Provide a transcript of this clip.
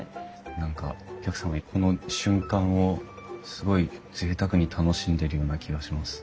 何かお客様がこの瞬間をすごいぜいたくに楽しんでるような気がします。